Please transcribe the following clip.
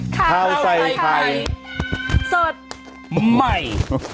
ข้าวใส่ไข่สดใหม่